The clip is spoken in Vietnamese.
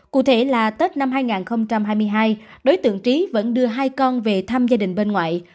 cụ thể là tết năm hai nghìn hai mươi hai đối tượng trí vẫn đưa hai con về thăm gia đình bên ngoại